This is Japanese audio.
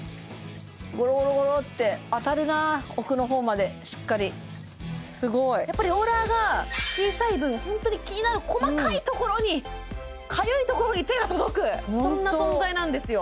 ゴロゴロゴロって当たるな奥の方までしっかりすごいやっぱりローラーが小さい分ホントに気になる細かいところにかゆいところに手が届くそんな存在なんですよ